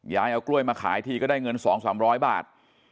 ยายเอากล้วยมาขายที่ก็ได้เงินสองสามร้อยบาท